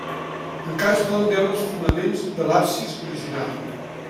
Encara es poden veure els fonaments de l'absis original.